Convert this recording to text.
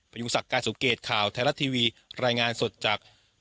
ยุงศักดิ์การสุเกตข่าวไทยรัฐทีวีรายงานสดจาก